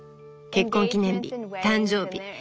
結婚記念日誕生日